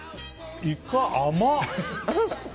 イカ、甘っ！